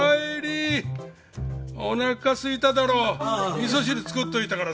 みそ汁作っといたからさ。